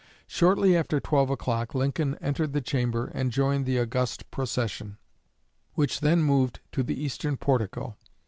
Shortly after twelve o'clock, Lincoln entered the chamber and joined the august procession, which then moved to the eastern portico.